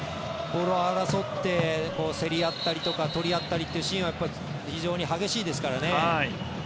ボールを争って競り合ったりとか取り合ったりというシーンは非常に激しいですからね。